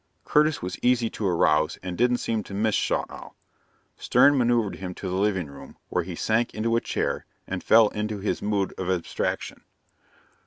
Curtis was easy to arouse and didn't seem to miss Schaughtowl. Stern maneuvered him to the living room, where he sank into a chair and fell into his mood of abstraction.